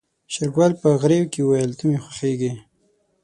شېرګل په غريو کې وويل ته مې خوښيږې.